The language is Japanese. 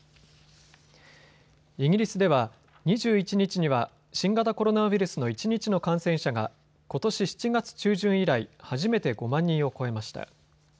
イギリスでは２１日には新型コロナウイルスの一日の感染者が、ことし７月中旬以来、初めて５万人を超えました。